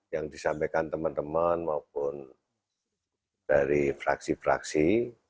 yang disampaikan teman teman maupun dari fraksi fraksi